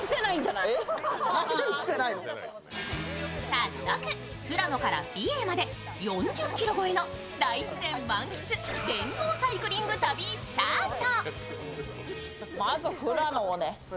早速、富良野から美瑛まで４０ｋｍ超えの大自然満喫、電動サイクリング旅スタート。